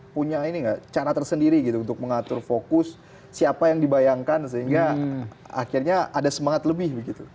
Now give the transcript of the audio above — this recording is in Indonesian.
punya ini gak cara tersendiri gitu untuk mengatur fokus siapa yang dibayangkan sehingga akhirnya ada semangat lebih begitu